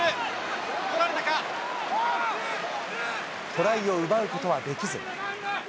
トライを奪うことはできず。